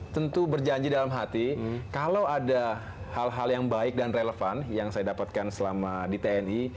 tentu berjanji dalam hati kalau ada hal hal yang baik dan relevan yang saya dapatkan selama di tni